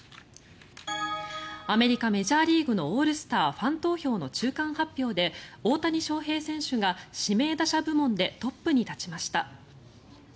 アメリカ、メジャーリーグのオールスターファン投票の中間発表で大谷翔平選手が指名打者部門でトップに立ちました。